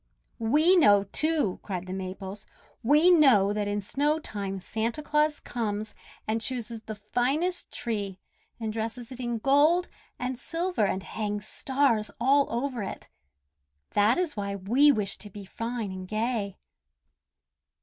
"We know, too," cried the Maples. "We know that in snow time Santa Claus comes, and chooses the finest tree, and dresses it in gold and silver and hangs stars all over it. That is why we wish to be fine and gay."